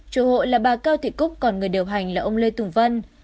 chủ hộ là bà cao thị cúc còn người điều hành là ông lê tùng vân